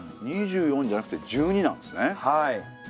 ２４じゃなくて１２なんですね。